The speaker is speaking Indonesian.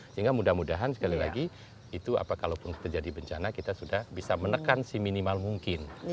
sehingga mudah mudahan sekali lagi itu apakalau pun terjadi bencana kita sudah bisa menekan si minimal mungkin